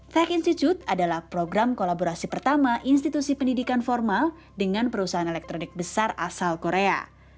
tech institute adalah program kolaborasi pertama institusi pendidikan formal dengan perusahaan elektronik besar asal korea